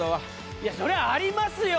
いやそりゃありますよ。